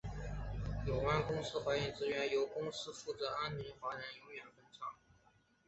永安公司罹难的职员由公司负责安葬荃湾华人永远坟场。